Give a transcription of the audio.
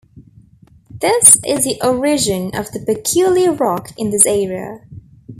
This is the origin of the peculiar rock in this area.